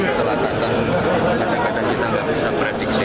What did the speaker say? kita lagi tahu kadang kadang kita tidak bisa prediksi